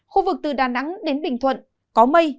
khu vực từ đà nẵng đến bình thuận có mây